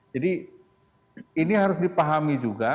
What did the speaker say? jadi ini harus dipahami juga